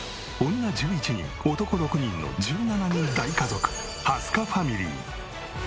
女１１人男６人の１７人大家族蓮香ファミリー。